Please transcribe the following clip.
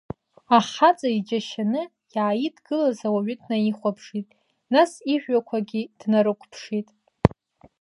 Ахаҵа иџьашьаны иааидгылаз ауаҩы днаихәаԥшит, нас ижәҩақәагьы днарықәԥшит.